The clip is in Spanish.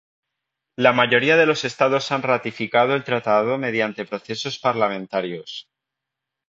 La mayoría de los estados han ratificado el tratado mediante procesos parlamentarios.